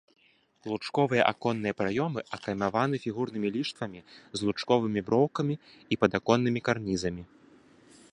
Лучковыя аконныя праёмы акаймаваны фігурнымі ліштвамі з лучковымі броўкамі і падаконнымі карнізамі.